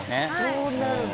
そうなるんだ。